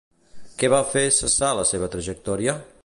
Què va fer cessar la seva trajectòria?